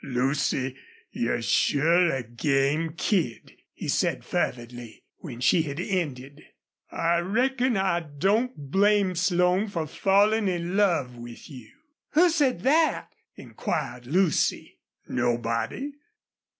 "Lucy, you're sure a game kid," he said, fervidly, when she had ended. "I reckon I don't blame Slone for fallin' in love with you." "Who said THAT!" inquired Lucy. "Nobody.